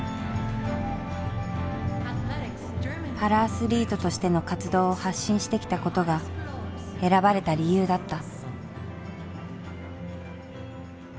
パラアスリートとしての活動を発信してきたことが選ばれた理由だった。